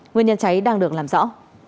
nguyên nhân cháy đang được làm rõ